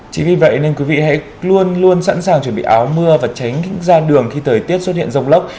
chính vì vậy nên quý vị hãy luôn luôn sẵn sàng chuẩn bị áo mưa và tránh ra đường khi thời tiết xuất hiện rông lốc